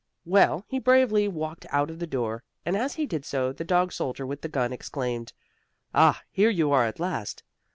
Well, he bravely walked out of the door, and as he did so the dog soldier, with the gun, exclaimed: "Ah, here you are at last!